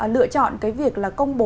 lựa chọn cái việc là công việc